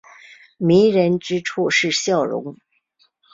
迷人之处是笑容。